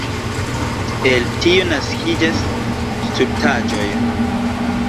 El tio naskiĝas stultaĵoj.